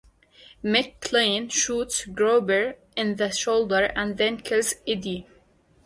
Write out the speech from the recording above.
McClane shoots Gruber in the shoulder and then kills Eddie.